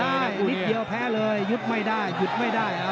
ใช่นิดเดียวแพ้เลยหยุดไม่ได้หยุดไม่ได้